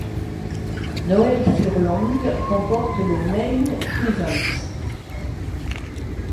Noel Furlong remporte le Main Event.